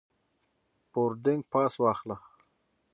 بوردینګ پاس واخله.